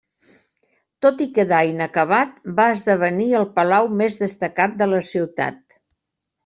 Tot i quedar inacabat va esdevenir el palau més destacat de la ciutat.